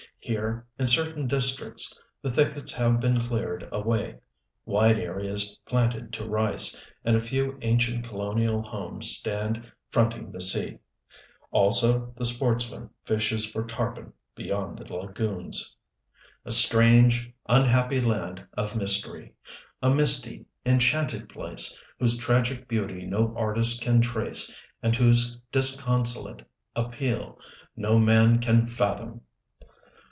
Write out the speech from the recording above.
Here, in certain districts, the thickets have been cleared away, wide areas planted to rice, and a few ancient colonial homes stand fronting the sea. Also the sportsman fishes for tarpon beyond the lagoons. A strange, unhappy land of mystery; a misty, enchanted place whose tragic beauty no artist can trace and whose disconsolate appeal no man can fathom!